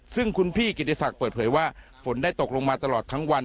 ซึ่งคุณพี่กิติศักดิ์เปิดเผยว่าฝนได้ตกลงมาตลอดทั้งวัน